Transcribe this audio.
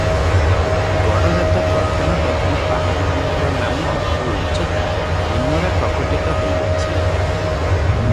ଗଡ଼ଜାତ ପ୍ରଧାନ ପ୍ରଧାନ ପାହାଡ଼ମାନଙ୍କର ନାମ ଓ ଉଚ୍ଚତା ନିମ୍ନରେ ପ୍ରକଟିତ ହେଉଅଛି ।